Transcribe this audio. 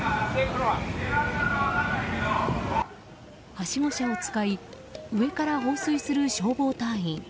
はしご車を使い上から放水する消防隊員。